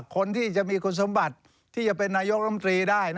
คนที่จะมีคุณสมบัติที่จะเป็นนายกรมตรีได้